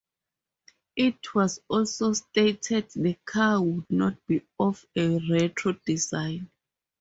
It was also stated the car would not be of a retro design.